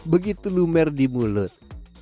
begitu lumer di mulut